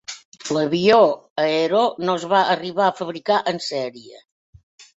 L'avió Aero no es va arribar a fabricar en sèrie.